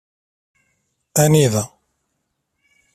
Anida?